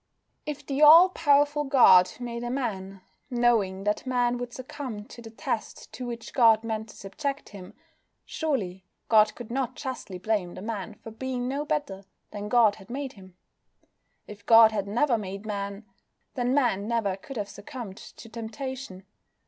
If the All powerful God made a man, knowing that man would succumb to the test to which God meant to subject him, surely God could not justly blame the man for being no better than God had made him. If God had never made Man, then Man never could have succumbed to temptation.